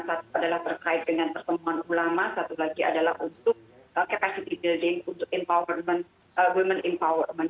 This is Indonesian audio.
satu adalah terkait dengan pertemuan ulama satu lagi adalah untuk capacity building untuk empowerment women empowerment